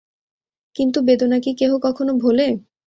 কিন্তু বেদনা কি কেহ কখনো ভোলে।